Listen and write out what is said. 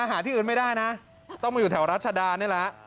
หาที่อื่นไม่ได้นะต้องมาอยู่แถวรัชดานี่แหละ